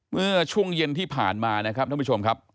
เมื่อช่วงเย็นที่ผ่านมานะครับท่านผู้ชมครับ